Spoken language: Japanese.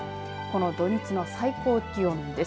この土日の最高気温です。